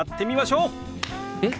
えっ？